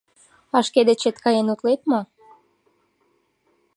— А шке дечет каен утлет мо?